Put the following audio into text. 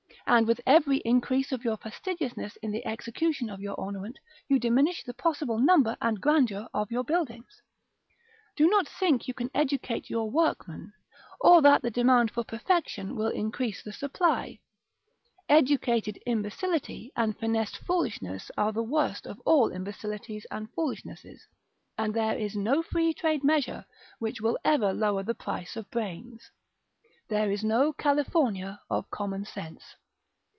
And with every increase of your fastidiousness in the execution of your ornament, you diminish the possible number and grandeur of your buildings. Do not think you can educate your workmen, or that the demand for perfection will increase the supply: educated imbecility and finessed foolishness are the worst of all imbecilities and foolishnesses; and there is no free trade measure, which will ever lower the price of brains, there is no California of common sense.